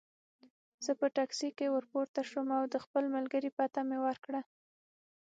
زه په ټکسي کې ورپورته شوم او د خپل ملګري پته مې ورکړه.